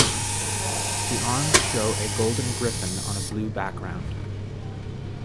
The arms show a golden griffin on a blue background.